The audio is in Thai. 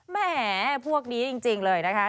แหมพวกนี้จริงเลยนะคะ